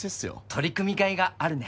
取り組み甲斐があるね